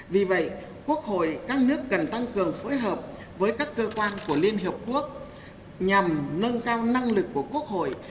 vì vậy quốc hội các nước cần tăng cường phối hợp với các cơ quan của liên hợp quốc nhằm nâng cao năng lực của quốc hội